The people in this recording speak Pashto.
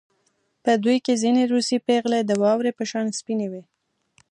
په دوی کې ځینې روسۍ پېغلې د واورې په شان سپینې وې